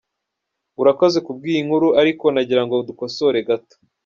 Urakoze ku bw’iyi nkuru, ariko nagira ngo dukosore gato.